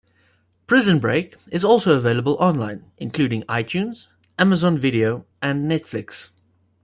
"Prison Break" is also available online, including iTunes, Amazon Video, and Netflix.